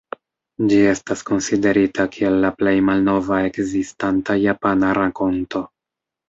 Ĝi estas konsiderita kiel la plej malnova ekzistanta japana rakonto.